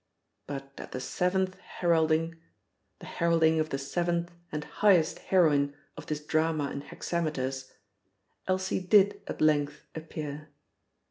But at the seventh heralding the heralding of the seventh and highest heroine of this drama in hexameters Elsie did at length appear.